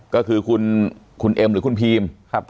ก็คือคุณเอ๋มคุณพีม